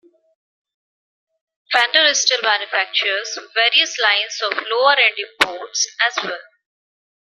Fender still manufactures various lines of lower-end imports, as well.